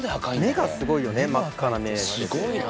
目がすごいよね真っ赤な目してて。